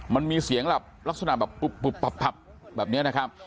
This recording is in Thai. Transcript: มันมีเสียงแบบลักษณะแบบปุ๊บพับแบบนี้นะครับ